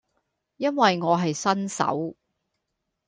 因為我係新手